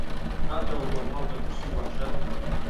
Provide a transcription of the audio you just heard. هاتەوە بۆ ماڵ بە ترس و وەحشەت